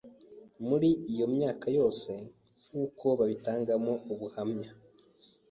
Muri iyo myaka yose, nk’uko babitangamo ubuhamya